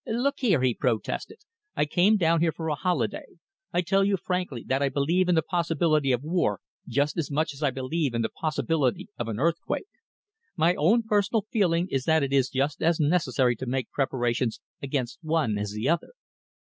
"Look here," he protested, "I came down here for a holiday, I tell you frankly that I believe in the possibility of war just as much as I believe in the possibility of an earthquake. My own personal feeling is that it is just as necessary to make preparations against one as the other.